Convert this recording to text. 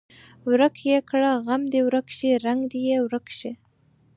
ورک یې کړه غم دې ورک شي رنګ دې یې ورک شي.